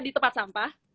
di tempat sampah